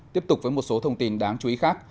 tiếp tục với một số thông tin đáng chú ý khác